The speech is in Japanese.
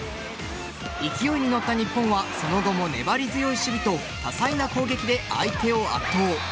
勢いに乗った日本はその後も粘り強い守備と多彩な攻撃で相手を圧倒。